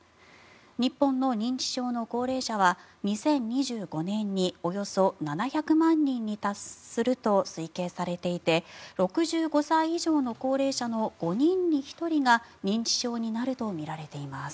日本の認知症の高齢者は２０２５年におよそ７００万人に達すると推計されていて６５歳以上の高齢者の５人に１人が認知症になるとみられています。